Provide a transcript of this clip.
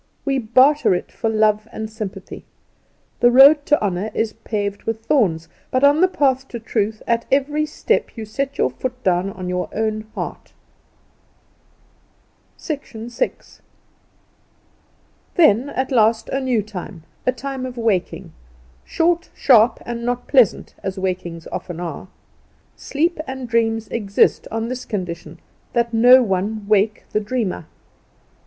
We barter it for love and sympathy. The road to honour is paved with thorns; but on the path to truth, at every step you set your foot down on your own heart. VI. Then at last a new time the time of waking; short, sharp, and not pleasant, as wakings often are. Sleep and dreams exist on this condition that no one wake the dreamer.